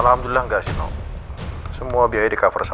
alhamdulillah enggak sih noh semua biaya di cover sama al